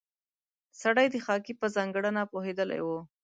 سړی د خاکې په ځانګړنه پوهېدلی و.